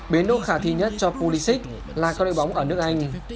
biến đỗ khả thi nhất cho pulisic là con đội bóng ở nước anh